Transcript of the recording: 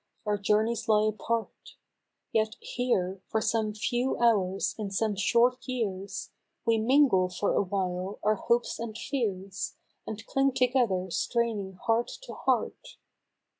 " our journeys lie apart ; Yet here, for some few hours in some short years We mingle for awhile our hopes and fears. And cling together straining heart to heart.